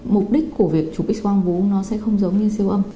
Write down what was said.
mục đích của việc trục x quang vố nó sẽ không giống như siêu âm